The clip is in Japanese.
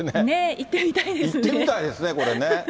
行ってみたいですね、これね。